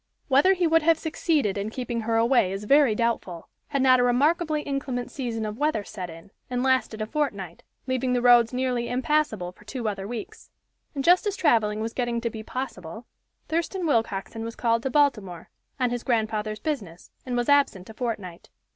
Whether he would have succeeded in keeping her away is very doubtful, had not a remarkably inclement season of weather set in, and lasted a fortnight, leaving the roads nearly impassable for two other weeks. And just as traveling was getting to be possible, Thurston Willcoxen was called to Baltimore, on his grandfather's business, and was absent a fortnight.